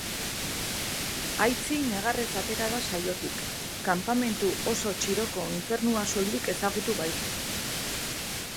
Aitzi negarrez atera da saiotik, kanpamentu oso txiroko infernua soilik ezagutu baitu.